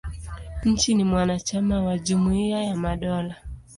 Nchi ni mwanachama wa Jumuia ya Madola.